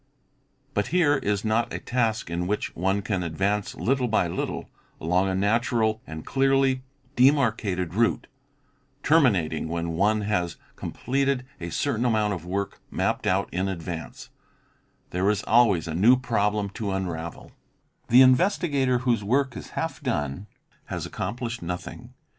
But here is not a task in which one can advance little by little, along a natural and clearly demarcated route, terminating when one has completed a certain amount of work mapped out in advance; there is always a new problem to unravel ;| 1 4 THE INVESTIGATING OFFICER the investigator whose work is half done has accomplished nothing.